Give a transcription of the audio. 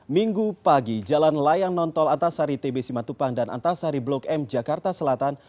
minggu pagi jalan layang nontol antasari tb simatupang dan antasari blok m jakarta selatan